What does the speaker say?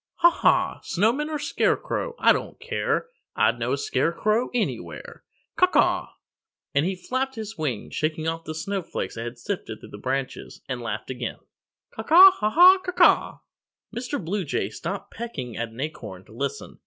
"Haw, haw! Snowman or Scarecrow, I don't care; I'd know a Scarecrow Anywhere, Caw, caw!" And he flapped his wings, shaking off the snowflakes that had sifted through the branches, and laughed again, "Caw, caw, haw, haw, caw, caw!" Mr. Blue Jay stopped pecking at an acorn to listen.